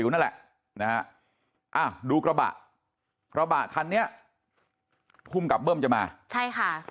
นะฮะอ่าดูกระบะกระบะคันนี้ภูมิกับเบิ้มจะมาใช่ค่ะ